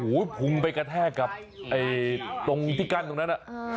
โอ้โหพุงไปกระแทกกับตรงที่กั้นตรงนั้น